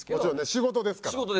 仕事ですから。